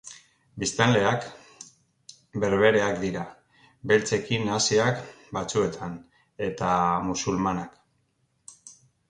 Biztanleak berbereak dira, beltzekin nahasiak batzuetan, eta musulmanak.